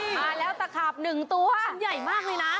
มาแล้วตะขาบหนึ่งตัวใหญ่มากเลยนะ